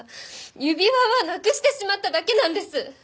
指輪はなくしてしまっただけなんです！